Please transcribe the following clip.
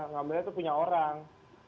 ngambilnya itu punya orang